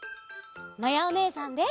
まやおねえさんです！